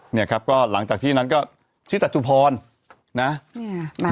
เนี่ยครับก็หลังจากที่นั้นก็ชื่อจตุพรนะเนี่ย